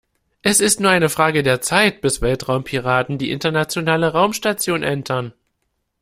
Es ist nur eine Frage der Zeit, bis Weltraumpiraten die Internationale Raumstation entern.